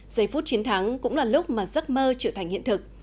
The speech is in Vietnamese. giây phút chiến thắng cũng là lúc mà giấc mơ trở thành hiện thực